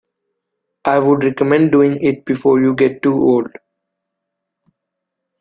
I would recommend doing it before you get too old.